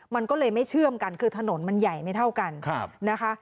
มันก็เลยไม่เชื่อมกันคือถนนมันใหญ่ไม่เท่ากันนะคะ